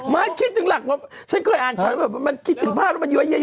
มาคิดถึงหลักฉันเคยอ่านคำนั้นมันคิดถึงภาพแล้วมันเยียร์